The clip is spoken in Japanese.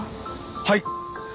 はい。